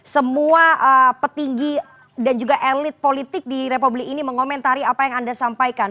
semua petinggi dan juga elit politik di republik ini mengomentari apa yang anda sampaikan